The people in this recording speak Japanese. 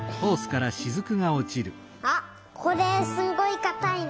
あっこれすんごいかたいな。